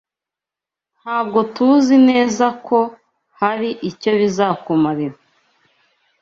Ntabwo TUZI neza ko hari icyo bizakumarira.